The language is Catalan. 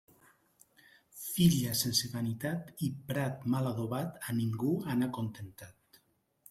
Filla sense vanitat i prat mal adobat a ningú han acontentat.